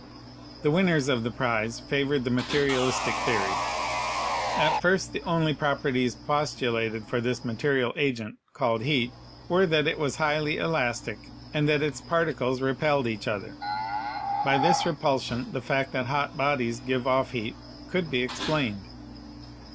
The winners of the prize favored the materialistic theory. At first the only prop erties postulated for this material agent, called heat, were that it was highly elastic and that its particles repelled each other. By this repulsion the fact that hot bodies give off heat could be explained.